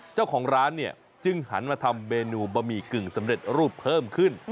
เจ้าของร้านเนี่ยจึงหันมาทำเมนูบะหมี่กึ่งสำเร็จรูปเพิ่มขึ้น